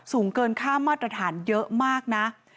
สูงเกินค่ามาตรฐานเยอะมากนะ